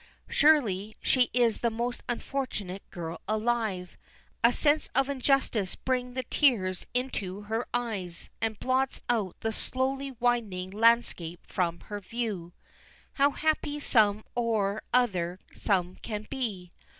Surely she is the most unfortunate girl alive? A sense of injustice bring the tears into her eyes, and blots out the slowly widening landscape from her view. "How happy some o'er other some can be!"